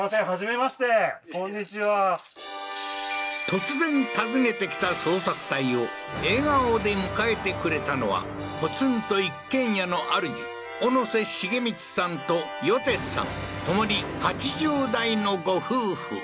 突然訪ねてきた捜索隊を笑顔で迎えてくれたのはポツンと一軒家のあるじ小野瀬繁光さんとよてさん共に８０代のご夫婦